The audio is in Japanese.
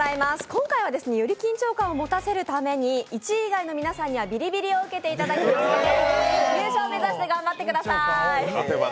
今回はより緊張感を持たせるために１位以外の皆さんにはビリビリを受けていただきますので、優勝を目指して頑張ってください。